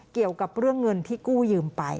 เกี่ยวกับเรื่องเงินที่กู้ยืมไป